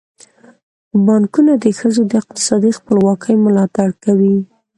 بانکونه د ښځو د اقتصادي خپلواکۍ ملاتړ کوي.